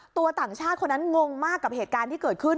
ต่างชาติคนนั้นงงมากกับเหตุการณ์ที่เกิดขึ้น